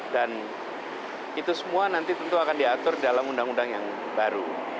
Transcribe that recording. dan itu semua nanti tentu akan diatur dalam undang undang yang baru